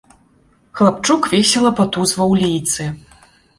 Хлапчук весела патузваў лейцы.